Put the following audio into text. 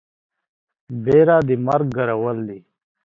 بيره د مرگ کرول دي.